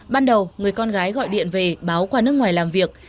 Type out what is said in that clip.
ban đầu người con gái gọi điện về báo qua nước ngoài làm việc